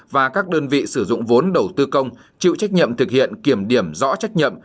và các đơn vị sử dụng vốn đầu tư công chịu trách nhiệm thực hiện kiểm điểm rõ trách nhiệm